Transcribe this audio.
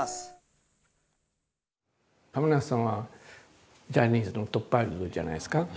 亀梨さんはジャニーズのトップアイドルじゃないですか。